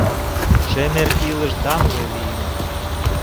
Шемер илыш данле лийын.